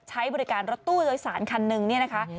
ใช้บริการรถตู้โดยสารคันหนึ่งเนี่ยนะคะ